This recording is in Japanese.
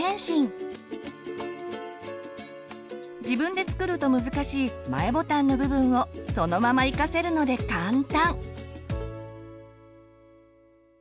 自分で作ると難しい前ボタンの部分をそのまま生かせるので簡単！